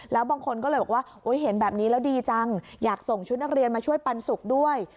แล้วบางคนก็เลยบอกว่าเห็นแบบนี้แล้วดีจังอยากส่งชุดนักเรียนมาช่วยปันสุกด้วย